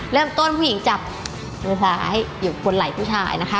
ผู้หญิงจับมือซ้ายอยู่บนไหล่ผู้ชายนะคะ